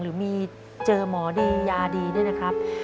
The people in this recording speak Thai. หรือมีเจอหมอดียาดีด้วยนะครับ